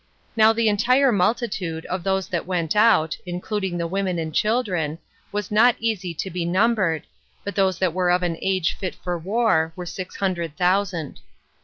Now the entire multitude of those that went out, including the women and children, was not easy to be numbered, but those that were of an age fit for war, were six hundred thousand.